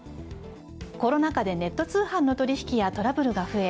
コロナ禍でネット通販の取引やトラブルが増え